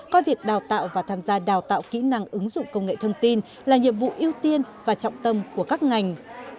coi việc đào tạo và tham gia đào tạo kỹ năng ứng dụng công nghệ thông tin là nhiệm vụ ưu tiên và trọng tâm của các ngành